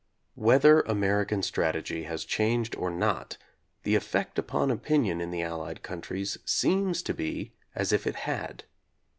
Whether American strategy has changed or not, the effect upon opinion in the Allied countries seems to be as if it had.